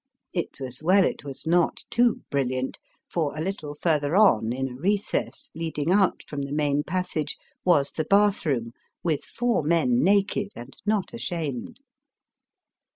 It was well it was not too brilliant, for a little further on, in a recess, leading out of the main passage, was the bath room with four men naked and not ashamed.